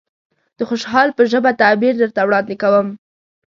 د خوشحال په ژبه تعبير درته وړاندې کوم.